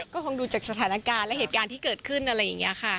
ก็คงดูจากสถานการณ์และเหตุการณ์ที่เกิดขึ้นอะไรอย่างนี้ค่ะ